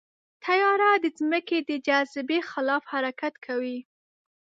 طیاره د ځمکې د جاذبې خلاف حرکت کوي.